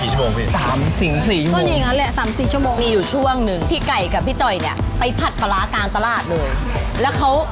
คุยกันแล้วว่าต้องหาบ้านเช่า